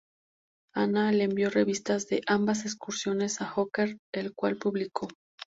Anna le envió revistas de ambas excursiones a Hooker, el cual publicó.